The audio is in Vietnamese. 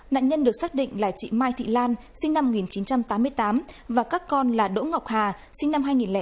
nạn nhân được xác định là chị mai thị lan sinh năm một nghìn chín trăm tám mươi tám và các con là đỗ ngọc hà sinh năm hai nghìn tám và đỗ thùy chi sinh năm hai nghìn một mươi một